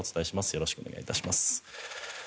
よろしくお願いします。